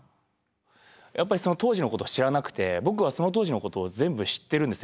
やっぱりその当時のことを知らなくて僕はその当時のことを全部知ってるんですよ。